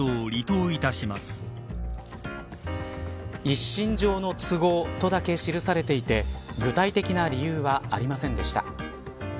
一身上の都合とだけ記されていて具体的な理由はありませんでした。